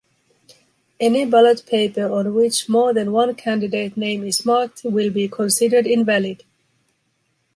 Any ballot paper on which more than one candidate name is marked will be considered invalid.